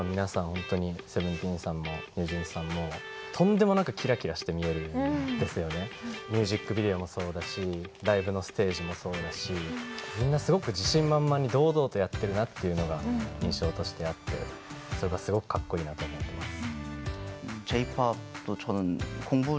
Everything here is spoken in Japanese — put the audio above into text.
本当にＳＥＶＥＮＴＥＥＮさんもＮｅｗＪｅａｎｓさんもミュージックビデオもそうだしライブのステージもそうだしみんなすごく自信満々に堂々とやってるなっていうのが印象としてあってそれがすごくかっこいいなと思っています。